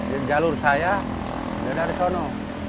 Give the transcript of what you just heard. dia jalur saya dia dari sana